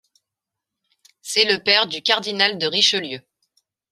C'est le père du cardinal de Richelieu.